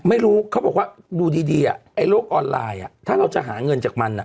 ไม่รู้เขาบอกว่าดูดีไอ้โลกออนไลน์ถ้าเราจะหาเงินจากมัน